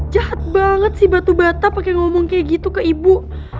jahat banget sih batu bata pakai ngomong kayak gitu ke ibu